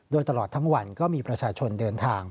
โดยตลอดทั้งวันก็มีประชาชนเดินทาง